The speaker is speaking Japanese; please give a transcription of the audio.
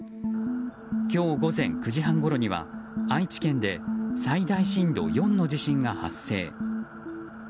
今日午前９時半ごろには愛知県で最大震度４の地震が発生。